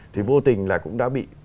thì vô tình là cũng đã bị